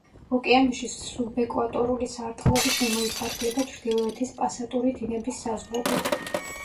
ოკეანეში სუბეკვატორული სარტყლები შემოიფარგლება ჩრდილოეთის პასატური დინების საზღვრებით.